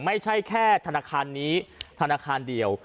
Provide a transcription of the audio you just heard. ไม่ใช่แค่ธนาคารนี้ธนาคารเดียว